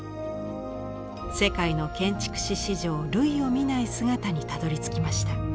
世界の建築史史上類を見ない姿にたどりつきました。